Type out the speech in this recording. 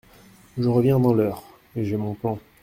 Je reviens dans l’heure et j’ai mon plan…